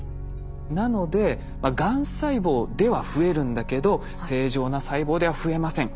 なのでがん細胞では増えるんだけど正常な細胞では増えません